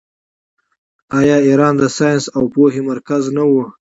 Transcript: آیا ایران د ساینس او پوهې مرکز نه و؟